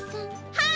はい！